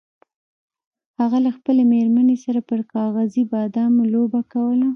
هغه له خپلې میرمنې سره پر کاغذي بادامو لوبه کوله.